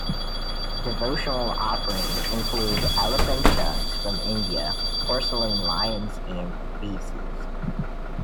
Devotional offerings include elephant tusks from India, porcelain lions and vases.